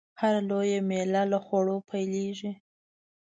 هره لويه میله له خوړو پیلېږي.